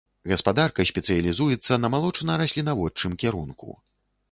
Гаспадарка спецыялізуецца на малочна-раслінаводчым кірунку.